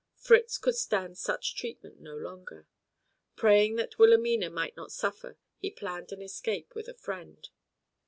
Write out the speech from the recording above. Fritz could stand such treatment no longer. Praying that Wilhelmina might not suffer he planned an escape with a friend.